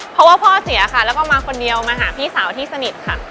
เพราะว่าพ่อเสียค่ะแล้วก็มาคนเดียวมาหาพี่สาวที่สนิทค่ะ